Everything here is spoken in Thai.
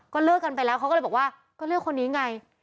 เลิกกันไปแล้วเขาก็เลยบอกว่าก็เลือกคนนี้ไง